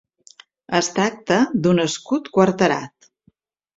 Es tracta d'un escut quarterat.